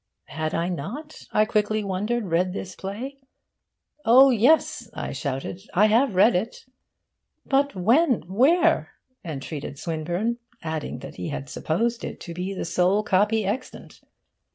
Had I not, I quickly wondered, read this play? 'Oh yes,' I shouted, 'I have read it.' 'But when? Where?' entreated Swinburne, adding that he had supposed it to be the sole copy extant.